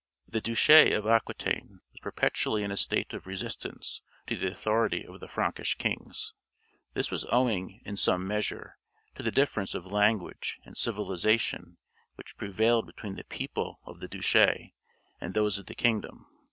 The duchy of Aquitaine was perpetually in a state of resistance to the authority of the Frankish kings. This was owing, in some measure, to the difference of language and civilization which prevailed between the people of the duchy and those of the kingdom.